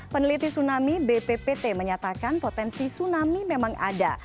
peneliti tsunami bppt menyatakan potensi tsunami memang ada